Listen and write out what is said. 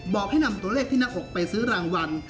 บอกให้นำตัวเลขที่หน้าอกไปซื้อรางวัล